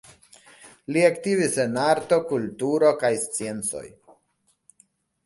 Li aktivis en arto, kulturo kaj sciencoj.